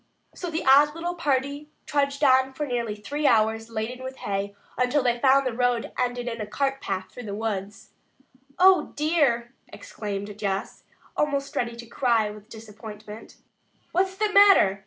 So the odd little party trudged on for nearly three hours, laden with hay, until they found that the road ended in a cart path through the woods. "Oh, dear!" exclaimed Jess, almost ready to cry with disappointment. "What's the matter?"